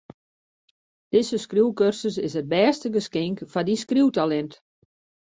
Dizze skriuwkursus is it bêste geskink foar dyn skriuwtalint.